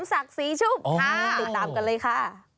ค่ะติดตามกันเลยค่ะ